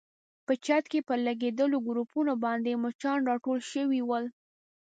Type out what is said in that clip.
په چت کې پر لګېدلو ګروپانو باندې مچان راټول شوي ول.